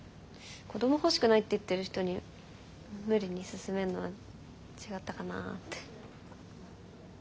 子ども欲しくないって言ってる人に無理に勧めんのは違ったかなって。